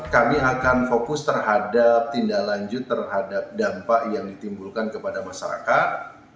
kami akan fokus terhadap tindak lanjut terhadap dampak yang ditimbulkan kepada masyarakat